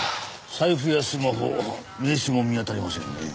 財布やスマホ名刺も見当たりませんねえ。